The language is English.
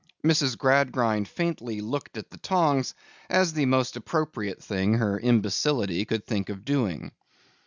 Mrs. Gradgrind faintly looked at the tongs, as the most appropriate thing her imbecility could think of doing.